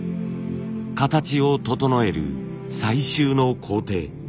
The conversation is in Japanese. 形を整える最終の工程